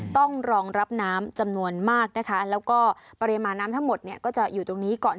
ต้องรองรับน้ำจำนวนมากนะคะแล้วก็